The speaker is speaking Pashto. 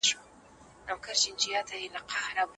هغه د چاپیریال په پاک ساتلو بوخت دی.